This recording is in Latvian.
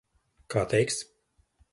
Kā teiksi.